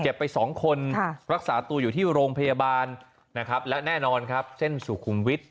ไปสองคนรักษาตัวอยู่ที่โรงพยาบาลนะครับและแน่นอนครับเส้นสุขุมวิทย